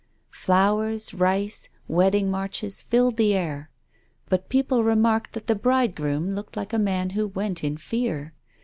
Flowers, rice, wedding marches filled the air. But people remarked that the bridegroom looked like a man who went in fear.